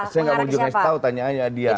saya nggak mau jelas tau tanya aja adian